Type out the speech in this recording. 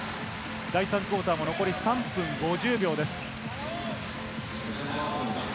第３クオーターも残り３分５０秒です。